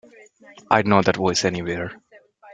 I'd know that voice anywhere.